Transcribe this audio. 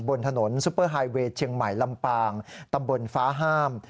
บนถนนซุปเปอร์ไฮเวย์เชียงใหม่ลำปางตำบลฟ้าห้าม